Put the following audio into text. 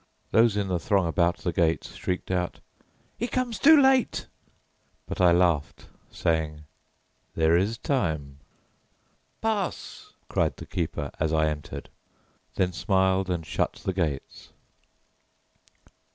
Those in the throng about the gates shrieked out, "He comes too late!" But I laughed, saying, "There is time." "Pass!" cried the keeper as I entered; then smiled and shut the gates.